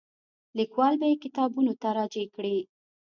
لیکوال به یې کتابونو ته راجع کړي.